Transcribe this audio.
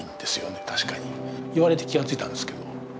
言われて気が付いたんですけど。